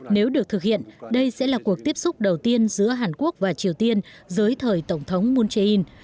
nếu được thực hiện đây sẽ là cuộc tiếp xúc đầu tiên giữa hàn quốc và triều tiên dưới thời tổng thống moon jae in